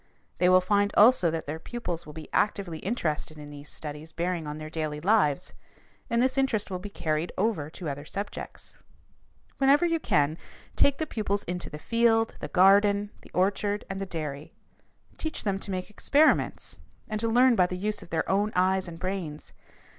They will find also that their pupils will be actively interested in these studies bearing on their daily lives, and this interest will be carried over to other subjects. Whenever you can, take the pupils into the field, the garden, the orchard, and the dairy. Teach them to make experiments and to learn by the use of their own eyes and brains.